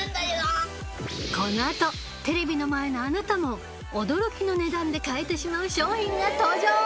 この後テレビの前のあなたも驚きの値段で買えてしまう商品が登場！